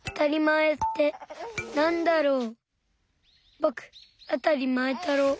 ぼくあたりまえたろう。